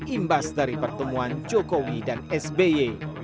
imbas dari pertemuan jokowi dan sby